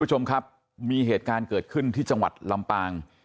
คุณผู้ชมครับมีเหตุการณ์เกิดขึ้นที่จังหวัดลำปาง